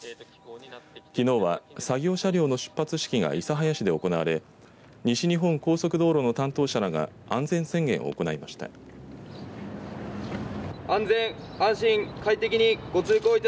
きのうは作業車両の出発式が諫早市で行われ西日本高速道路の担当者らが安全宣言を行いました。